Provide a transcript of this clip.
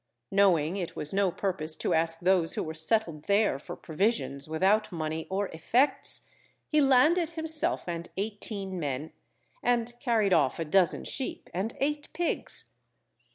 Knowing it was no purpose to ask those who were settled there for provisions without money or effects, he landed himself and eighteen men, and carried off a dozen sheep and eight pigs.